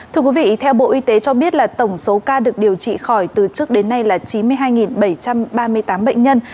thưa quý vị theo bộ y tế cho biết là tổng số ca được điều trị khỏi từ trước đến nay là chín mươi hai bảy trăm ba mươi tám bệnh nhân